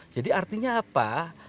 jadi artinya apa